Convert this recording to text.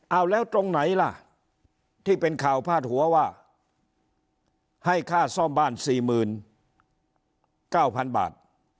เอาแล้วตรงไหนล่ะที่เป็นข่าวพาดหัวว่าให้ค่าซ่อมบ้าน๔๙๐๐บาท